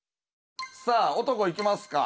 さあ男いきますか。